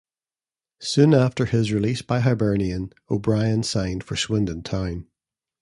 Soon after his release by Hibernian, O'Brien signed for Swindon Town.